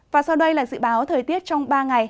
và sau đây là dự báo thời tiết trong ba ngày